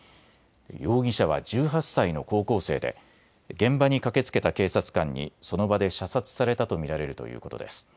容疑者は１８歳の高校生で現場に駆けつけた警察官にその場で射殺されたと見られるということです。